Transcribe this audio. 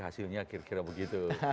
hasilnya kira kira begitu